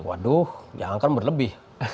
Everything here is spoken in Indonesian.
waduh jangan kan berlebih